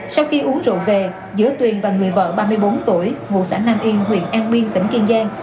sau khi uống rượu về giữa tuyền và người vợ ba mươi bốn tuổi ngụ xã nam yên huyện an biên tỉnh kiên giang